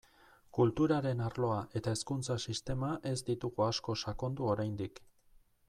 Kulturaren arloa eta hezkuntza sistema ez ditugu asko sakondu oraindik.